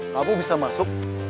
kamu bisa masuk